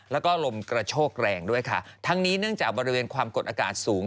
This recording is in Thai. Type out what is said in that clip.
แล้วก็ลมกระโชกแรงด้วยค่ะทั้งนี้เนื่องจากบริเวณความกดอากาศสูง